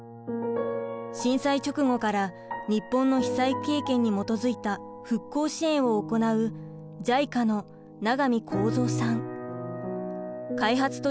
震災直後から日本の被災経験に基づいた復興支援を行うＪＩＣＡの永見光三さん。